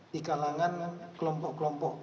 di kalangan kelompok kelompok